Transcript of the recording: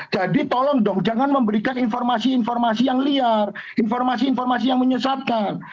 jadi tolong dong jangan memberikan informasi informasi yang liar informasi informasi yang menyesatkan